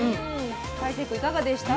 大聖君いかがでした？